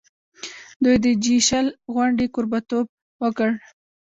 دوی د جي شل غونډې کوربه توب وکړ.